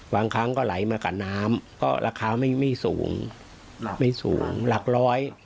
บางครั้งก็ไหลมากับน้ำก็ราคาไม่ไม่สูงไม่สูงหลักร้อย